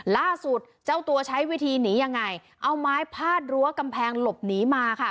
ล่าสุดเจ้าตัวใช้วิธีหนียังไงเอาไม้พาดรั้วกำแพงหลบหนีมาค่ะ